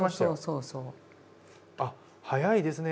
あっ早いですね